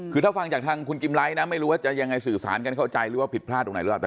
คือถ้าฟังจากทางคุณกิมไลท์นะไม่รู้ว่าจะยังไงสื่อสารกันเข้าใจหรือว่าผิดพลาดตรงไหนหรือเปล่า